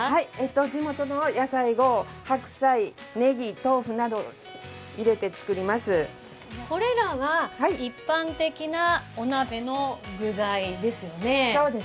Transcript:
地元の野菜、白菜、ねぎ、豆腐などをこれらは一般的なお鍋の具材ですよね。